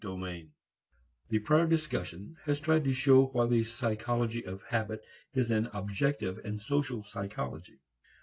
VI The prior discussion has tried to show why the psychology of habit is an objective and social psychology.